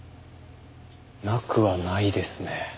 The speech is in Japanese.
なくはないですね。